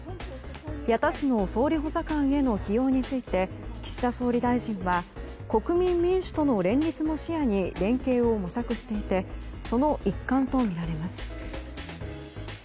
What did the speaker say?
矢田氏の総理補佐官への起用について岸田総理大臣は国民民主との連立も視野に連携を模索していてその一環とみられます。